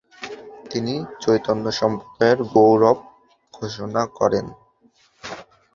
তিনি চৈতন্যসম্প্রদায়ের গৌরব ঘোষণা করেন।